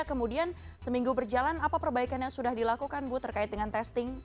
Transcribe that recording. kemudian seminggu berjalan apa perbaikan yang sudah dilakukan bu terkait dengan testing